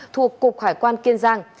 thuộc cục khải quan kiên giang